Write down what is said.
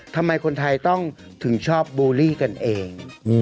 ทำไมคนไทยต้องถึงชอบบูลลี่กันเอง